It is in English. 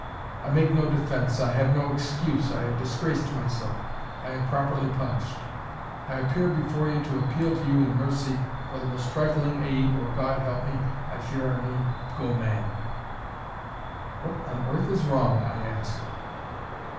"I make no defence, I have no excuse, I have disgraced myself, I am properly punished; I appear before you to appeal to you in mercy for the most trifling aid or, God help me! I fear I may go mad." "What on earth is wrong?" I asked.